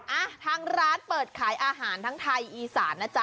อ่ะทางร้านเปิดขายอาหารทั้งไทยอีสานนะจ๊